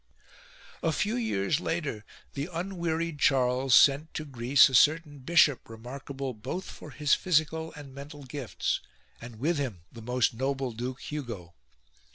A few years later the unwearied Charles sent to Greece a certain bishop remarkable both for his physical and mental gifts, and with him the most noble Duke Hugo.